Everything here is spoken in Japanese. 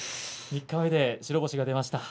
三日目で白星が出ました。